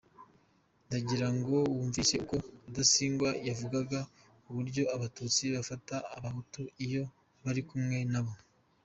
Ndagirango wumvise uko Rudasingwa yavugaga uburyo Abatutsi bafata abahutu iyo bari kumwe nabo.